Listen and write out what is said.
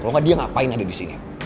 kalau nggak dia ngapain ada di sini